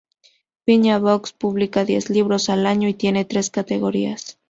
Piñata Books publica diez libros al año y tiene tres categorías.